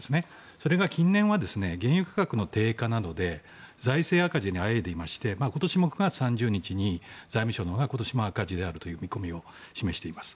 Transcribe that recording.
それが近年は原油価格の低下などで財政赤字にあえいでいまして今年も９月３０日に財務省が今年も赤字であるという見込みを示しています。